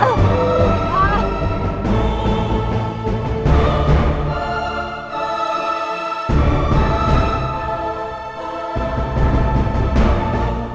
fahri harus tau nih